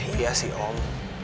iya sih om